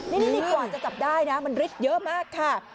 นี่กว่าจะจับได้นะมันฤทธิ์เยอะมากค่ะ